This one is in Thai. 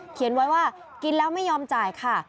เขียนไว้ว่ากินแล้วไม่ยอมจ่ายค่ะ